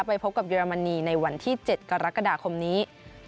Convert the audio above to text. ไปพบกับเยอรมนีในวันที่๗กรกฎาคมนี้